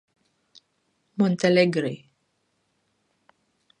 Montalegre.